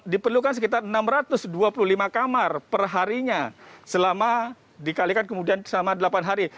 diperlukan sekitar enam ratus dua puluh lima kamar perharinya selama dikalikan kemudian selama delapan hari